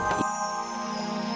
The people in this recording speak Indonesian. tidak ada yang tahu